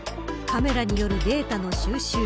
カメラによるデータの収集。